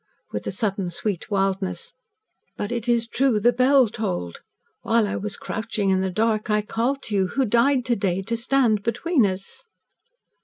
with a sudden sweet wildness. "But it is true the bell tolled! While I was crouching in the dark I called to you who died to day to stand between us!"